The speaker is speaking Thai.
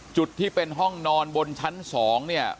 จุดที่เป็นห้องนอนบนชั้น๒เนี่ย